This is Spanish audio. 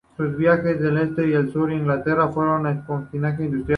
Sus viajes en el este y el sur de Inglaterra fueron de espionaje industrial.